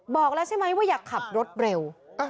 บอกแล้วใช่ไหมว่าอยากขับรถเร็ว